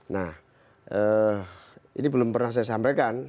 nah ini belum pernah saya sampaikan